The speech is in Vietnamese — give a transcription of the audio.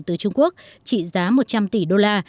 từ trung quốc trị giá một trăm linh tỷ đô la